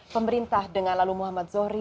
pemerintah dengan lalu muhammad zohri